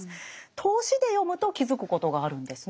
通しで読むと気付くことがあるんですね。